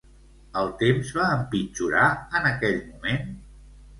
El temps va empitjorar en aquell moment?